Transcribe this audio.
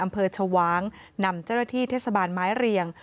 ชวางนำเจ้าหน้าที่เทศบาลไม้เรียง